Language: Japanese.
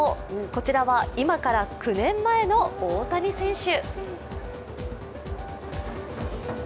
こちらは今から９年前の大谷選手。